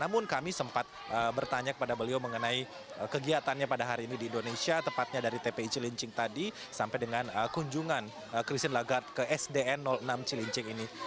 namun kami sempat bertanya kepada beliau mengenai kegiatannya pada hari ini di indonesia tepatnya dari tpi cilincing tadi sampai dengan kunjungan christine lagarde ke sdn enam cilincing ini